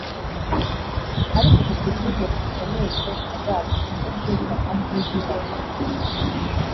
ariko dufite icyizere gikomeye cy’ejo hazaza kuko twibuka kandi twiyubaka